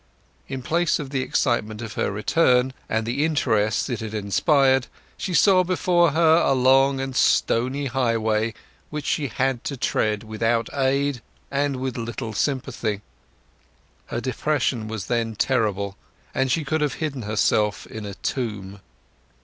In place of the excitement of her return, and the interest it had inspired, she saw before her a long and stony highway which she had to tread, without aid, and with little sympathy. Her depression was then terrible, and she could have hidden herself in a tomb.